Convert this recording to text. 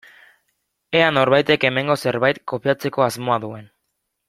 Ea norbaitek hemengo zerbait kopiatzeko asmoa duen.